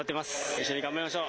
一緒に頑張りましょう。